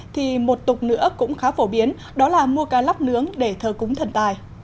thì một tục nữa cũng khá phổ biến đó là mua cá lắp nướng để thờ cúng thần tài